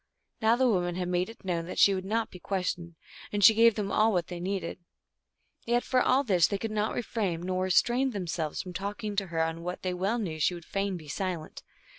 Now the woman had made it known that she would not be questioned, and she gave them all what they needed ; yet, for all this, they could not refrain nor restrain themselves from talking to her on what they well knew she would fain be silent.